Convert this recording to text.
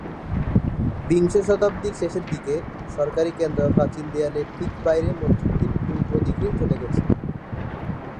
বিংশ শতাব্দীর শেষের দিকে, সরকারী কেন্দ্র প্রাচীন দেয়ালের ঠিক বাইরে মসজিদটির পূর্ব দিকে চলে গেছে।